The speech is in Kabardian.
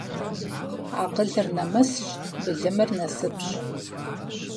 Акъылыр нэмысщ, былымыр насыпщ.